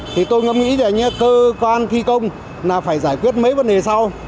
thì tôi nghĩ cơ quan thi công là phải giải quyết mấy vấn đề sau